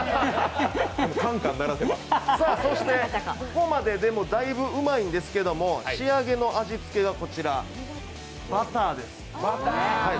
ここまででもだいぶうまいんですけど、仕上げの味付けがこちら、バターです。